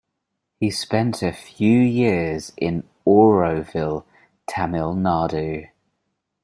He spent a few years in Auroville, Tamil Nadu.